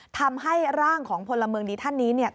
ทำให้ร่างของพลเมืองดีท่านนี้เนี่ย